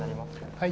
はい。